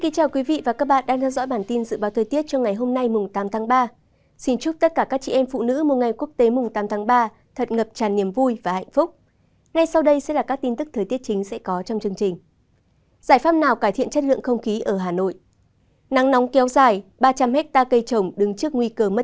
các bạn hãy đăng ký kênh để ủng hộ kênh của chúng mình nhé